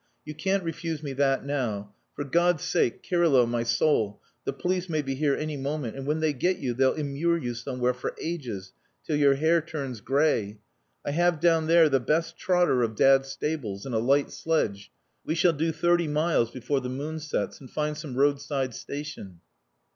"You can't refuse me that now. For God's sake, Kirylo, my soul, the police may be here any moment, and when they get you they'll immure you somewhere for ages till your hair turns grey. I have down there the best trotter of dad's stables and a light sledge. We shall do thirty miles before the moon sets, and find some roadside station...."